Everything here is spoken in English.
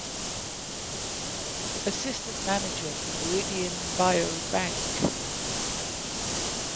Assistant Manager for Meridian Biao Bank.